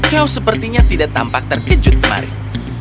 kau sepertinya tidak tampak terkejut kemarin